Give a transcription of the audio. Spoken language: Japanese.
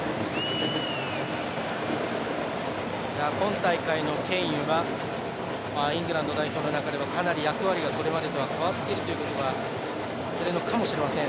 今大会のケインはイングランド代表の中でかなり役割がこれまでとは変わってきているというのが見られるのかもしれません。